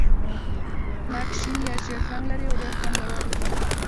ناک شین یا ژېړ رنګ لري او ډېر خوندور وي.